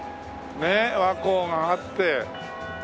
ねえ和光があって。